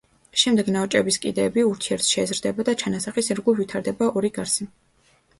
შემდეგ ნაოჭების კიდეები ურთიერთს შეეზრდება და ჩანასახის ირგვლივ ვითარდება ორი გარსი.